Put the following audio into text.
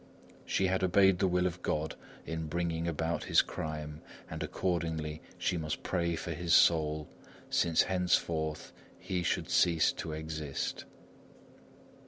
She had obeyed the will of God in bringing about his crime, and accordingly she must pray for his soul, since henceforth he should cease to exist.